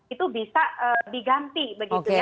itu bisa diganti begitu ya